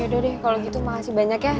yaudah deh kalo gitu makasih banyak ya